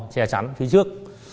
che chắn phía trước